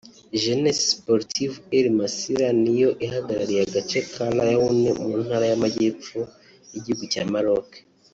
Jeunesse sportive El Massira ni yo ihagarariye agace ka Laayoune mu ntara y’amajyepfo y’igihugu cya Maroc